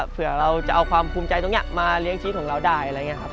เผื่อเราจะเอาความภูมิใจตรงนี้มาเลี้ยงชีวิตของเราได้อะไรอย่างนี้ครับ